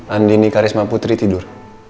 andini karisma putri tidur